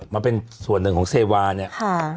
มันเป็นส่วนหนึ่งของเซวาเนี่ย